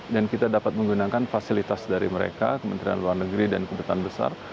dan kita dapat menggunakan fasilitas dari mereka kementerian luar negeri dan kedutang besar